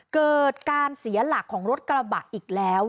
เกิดการเสียหลักของรถกระบะอีกแล้ว